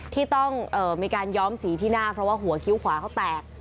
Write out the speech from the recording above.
ที่ต้องมีการย้อมสีที่หน้าเพราะว่าหัวคิ้วขวาเขาแตก